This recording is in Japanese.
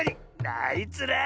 あいつら。